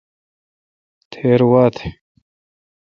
تھیر وا تھ۔